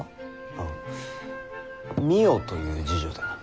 ああ美代という侍女でな。